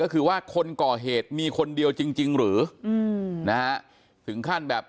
ก็คือว่าคนก่อเหตุมีคนเดียวจริงจริงหรืออืมนะฮะถึงขั้นแบบ